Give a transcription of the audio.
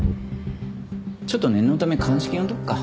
ちょっと念のため鑑識呼んでおくか。